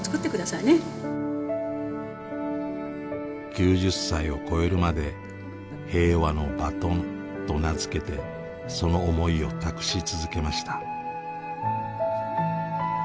９０歳を超えるまで平和のバトンと名付けてその思いを託し続けました。